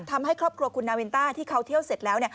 ทำให้ครอบครัวคุณนาวินต้าที่เขาเที่ยวเสร็จแล้ว